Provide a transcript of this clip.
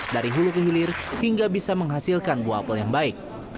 dari hulu ke hilir hingga bisa menghasilkan buah apel yang baik